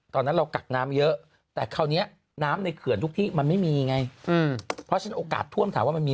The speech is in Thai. ตอนพี่เมย์สองฮันนี้มันก็ตุลา